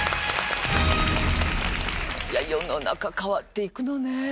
世の中変わっていくのね。